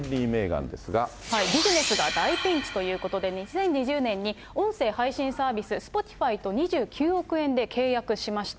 ビジネスが大ピンチということで、２０２０年に音声配信サービス、Ｓｐｏｔｉｆｙと２９億円で契約しました。